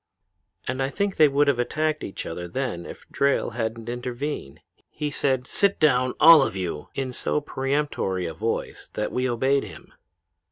"And I think they would have attacked each other then if Drayle hadn't intervened. He said, 'Sit down! All of you!' in so peremptory a voice that we obeyed him.